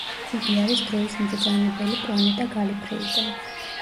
იგი არის დროის მბრძანებელი პლანეტა გალიფრეიდან.